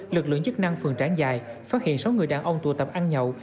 lực lượng chức năng phường tráng giang phát hiện sáu người đàn ông tụ tập ăn nhậu